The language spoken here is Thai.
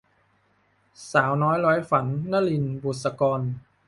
สาวน้อยร้อยฝัน - นลิน บุษกร